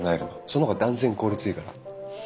その方が断然効率いいから。